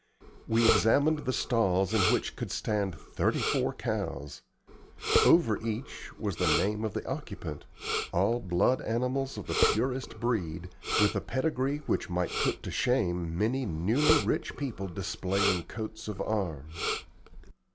We examined the stalls in which could stand thirty four cows. Over each was the name of the occupant, all blood animals of the purest breed, with a pedigree which might put to shame many newly rich people displaying coats of arms.